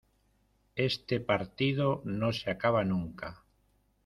Este partido no se acaba nunca.